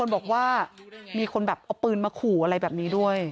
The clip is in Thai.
บอกว่ามีคนแบบเอาปืนมาขู่อะไรแบบนี้ด้วย